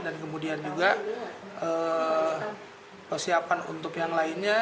dan kemudian juga persiapan untuk yang lainnya